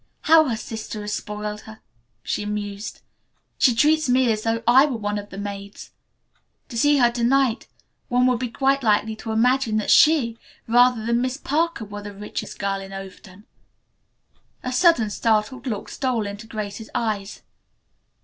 "How her sister has spoiled her," she mused. "She treats me as though I were one of the maids. To see her to night one would be quite likely to imagine that she, rather than Miss Parker, were the richest girl in Overton." A sudden, startled look stole into Grace's eyes.